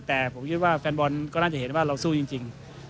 แต่ผมคิดว่าแฟนบอลก็น่าจะเห็นว่าเราสู้จริง